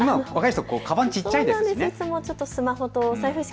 若い人、かばん小っちゃいですよね。